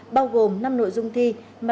bao gồm năm nội dung thi